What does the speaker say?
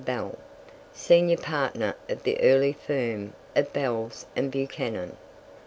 Bell, senior partner of the early firm of Bells and Buchanan.